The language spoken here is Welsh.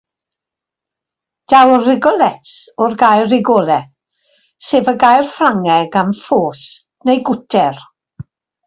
Daw "rigolets" o'r gair "rigole," sef y gair Ffrangeg am "ffos" neu "gwter."